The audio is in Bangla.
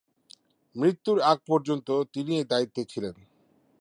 মৃত্যুর আগ পর্যন্ত তিনি এই দায়িত্বে ছিলেন।